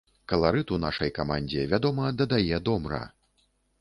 Каларыту нашай камандзе, вядома, дадае домра.